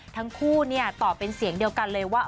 ทั้งคู่ตอบเป็นเสียงเดียวกันเลยว่า